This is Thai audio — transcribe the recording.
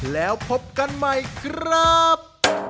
แล้วพบกันใหม่ครับ